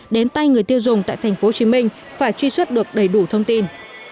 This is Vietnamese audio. đến tay người tiêu dùng tại tp hcm phải truy xuất được đầy đủ thông tin